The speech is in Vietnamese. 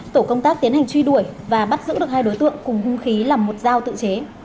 tổ công tác tiến hành truy đuổi và bắt giữ được hai đối tượng cùng hung khí là một dao tự chế